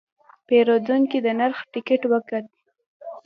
پیرودونکی د نرخ ټکټ وکت.